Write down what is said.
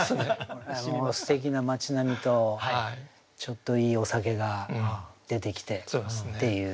もうすてきな町並みとちょっといいお酒が出てきてっていう。